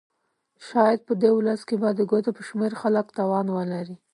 شاید په دې ولس کې به د ګوتو په شمېر خلک توان ولري.